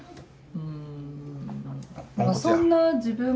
うん。